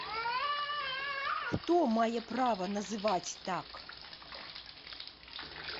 Хто мае права называць так?